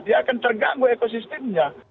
dia akan terganggu ekosistemnya